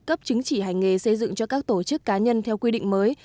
cấp chứng chỉ hành nghề xây dựng cho các tổ chức cá nhân theo quy định mới